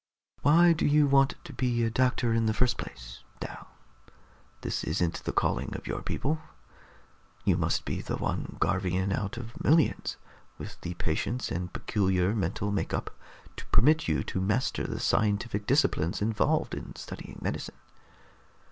"Why do you want to be a doctor in the first place, Dal? This isn't the calling of your people. You must be the one Garvian out of millions with the patience and peculiar mental make up to permit you to master the scientific disciplines involved in studying medicine.